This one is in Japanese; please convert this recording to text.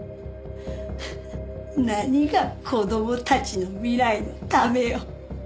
何が「子供たちの未来のため」よ。